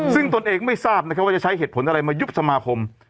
ซึ่งตนเองไม่ทราบนะครับว่าจะใช้เหตุผลอะไรมายุบสมาคม